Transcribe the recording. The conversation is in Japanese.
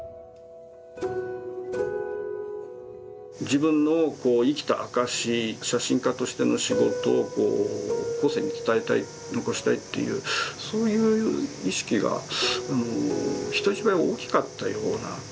自分の生きた証し写真家としての仕事を後世に伝えたい残したいっていうそういう意識が人一倍大きかったような。